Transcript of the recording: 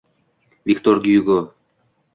Viktor Gyugo